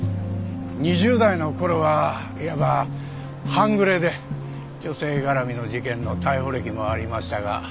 ２０代の頃はいわば半グレで女性絡みの事件の逮捕歴もありましたが。